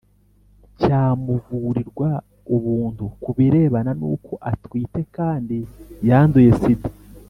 cyamuvurirwa ubuntu kubirebana nuko atwite kandi yanduye sida ;